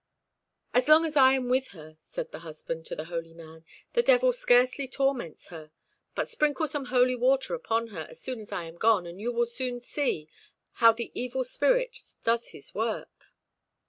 "As long as I am with her," said the husband to the holy man, "the devil scarcely torments her. But sprinkle some holy water upon her as soon as I am gone, and you will soon see how the evil spirit does his work."